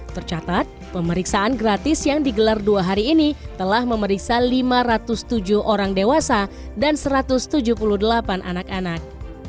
tercatat pemeriksaan gratis yang digelar dua hari ini telah memeriksa lima ratus tujuh orang dewasa dan satu ratus tujuh puluh delapan anak anak